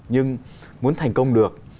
nhưng muốn thành công được